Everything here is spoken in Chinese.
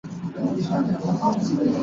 总线接口初始化